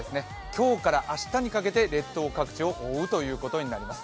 今日から明日にかけて列島各地を覆うということになります。